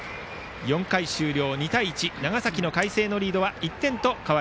４回終了、２対１長崎の海星のリードは１点です。